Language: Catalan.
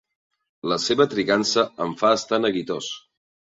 La seva trigança em fa estar neguitós.